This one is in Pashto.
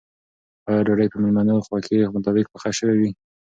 آیا ډوډۍ به د مېلمنو د خوښې مطابق پخه شوې وي؟